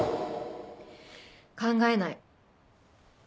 考えない。